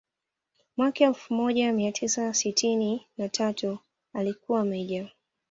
Mwaka elfu moja mia tisa sitini na tatu alikuwa meja